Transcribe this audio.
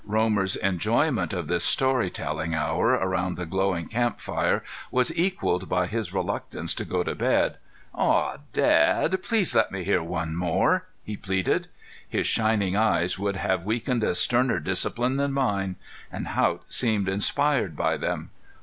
Romer's enjoyment of this story telling hour around the glowing camp fire was equalled by his reluctance to go to bed. "Aw, Dad, please let me hear one more," he pleaded. His shining eyes would have weakened a sterner discipline than mine. And Haught seemed inspired by them.